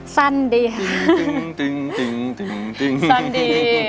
สั้นดี